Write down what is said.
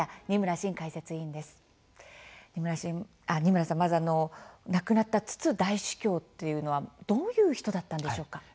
二村さん、まず亡くなったツツ大主教というのはどういう人だったんでしょうか。